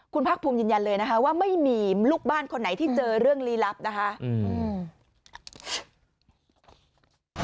คุณภาคภูมิยืนยันเลยนะคะว่าไม่มีลูกบ้านคนไหนที่เจอเรื่องลีลับนะคะ